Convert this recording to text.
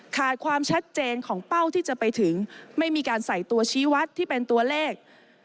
ขาดความชัดเจนของเป้าที่จะไปถึงไม่มีการใส่ตัวชี้วัดที่เป็นตัวเลข